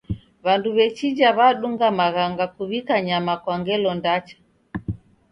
W'andu w'echinja w'adunga maghanga kuw'ika nyama kwa ngelo ndacha.